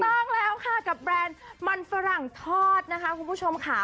ต้องแล้วค่ะกับแบรนด์มันฝรั่งทอดนะคะคุณผู้ชมค่ะ